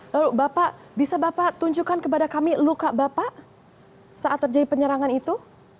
lalu bapak bisa bapak tunjukkan kepada kami luka bapak saat terjadi penyerangan itu